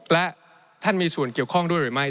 และท่านมีส่วนเกี่ยวข้องด้วยหรือไม่